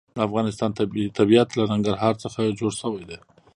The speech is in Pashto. د افغانستان طبیعت له ننګرهار څخه جوړ شوی دی.